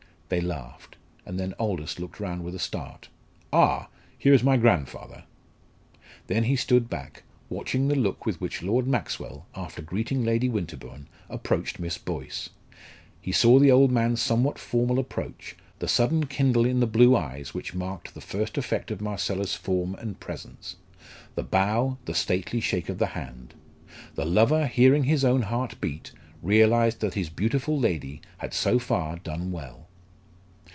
They laughed, and then Aldous looked round with a start "Ah, here is my grandfather!" Then he stood back, watching the look with which Lord Maxwell, after greeting Lady Winterbourne, approached Miss Boyce. He saw the old man's somewhat formal approach, the sudden kindle in the blue eyes which marked the first effect of Marcella's form and presence, the bow, the stately shake of the hand. The lover hearing his own heart beat, realised that his beautiful lady had so far done well.